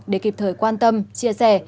để kịp thời quan tâm chia sẻ